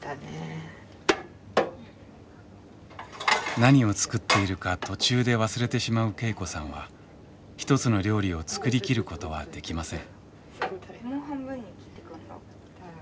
何を作っているか途中で忘れてしまう恵子さんは一つの料理を作り切ることはできません。